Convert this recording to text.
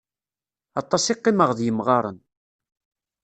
Aṭas i qqimeɣ d yemɣaren.